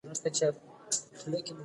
د انسان کرامت او حیثیت مطرح نه دي.